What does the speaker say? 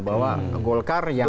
bahwa golkar yang